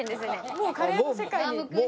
もうカレーの世界に。